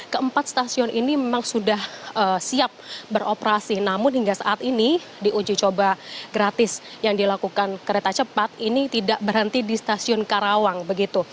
keempat stasiun ini memang sudah siap beroperasi namun hingga saat ini di uji coba gratis yang dilakukan kereta cepat ini tidak berhenti di stasiun karawang begitu